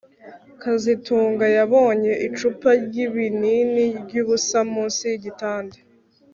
kazitunga yabonye icupa ryibinini ryubusa munsi yigitanda